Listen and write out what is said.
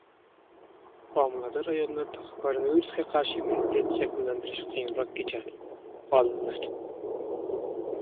Homilador ayollarda koronavirusga qarshi immunitetni shakllantirish qiyinroq kechadi - olimlar